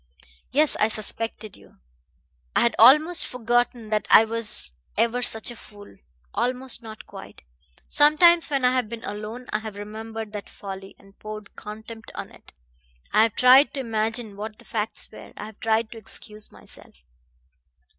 Yes, I suspected you! I had almost forgotten that I was ever such a fool. Almost; not quite. Sometimes when I have been alone I have remembered that folly, and poured contempt on it. I have tried to imagine what the facts were. I have tried to excuse myself."